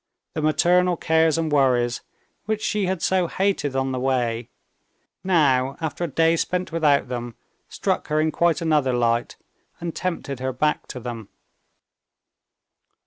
The maternal cares and worries, which she had so hated on the way, now, after a day spent without them, struck her in quite another light, and tempted her back to them.